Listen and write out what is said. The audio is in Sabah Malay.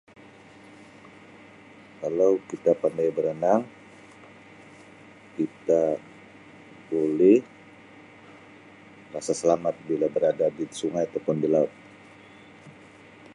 Kalau kita pandai berenang kita boleh rasa selamat bila berada di sungai ataupun di laut.